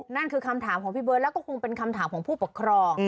นั่นคือคำถามของพี่เบิร์ตแล้วก็คงเป็นคำถามของผู้ปกครอง